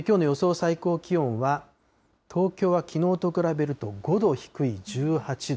最高気温は、東京はきのうと比べると５度低い１８度。